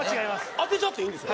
当てちゃっていいんですか？